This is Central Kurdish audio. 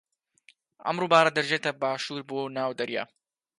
ئەم ڕووبارە دەڕژێتە باشوور بۆ ناو دەریا.